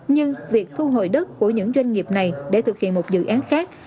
nhưng việc thu hồi đất của những doanh nghiệp này để thực hiện một dự án khác